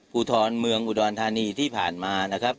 ภูทรเมืองอุดรธานีที่ผ่านมานะครับ